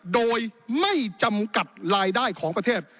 โดยไม่จำกัดรายได้ของประเทศ